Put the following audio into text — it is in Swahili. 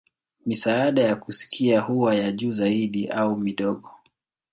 Misaada ya kusikia huwa ya juu zaidi au midogo.